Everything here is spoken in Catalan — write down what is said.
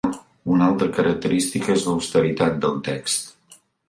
Una altra característica és l'austeritat del text.